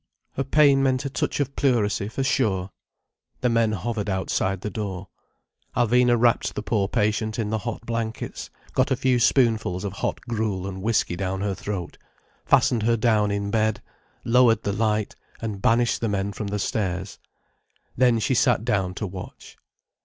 Her pain meant a touch of pleurisy, for sure. The men hovered outside the door. Alvina wrapped the poor patient in the hot blankets, got a few spoonfuls of hot gruel and whiskey down her throat, fastened her down in bed, lowered the light and banished the men from the stairs. Then she sat down to watch.